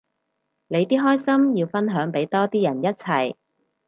你啲開心要分享俾多啲人一齊